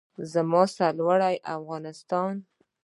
زما سرلوړی افغانستان.